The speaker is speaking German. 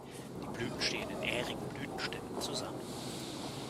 Die Blüten stehen in ährigen Blütenständen zusammen.